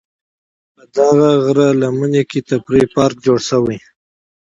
په دغه غره لمن کې تفریحي پارک جوړ شوی.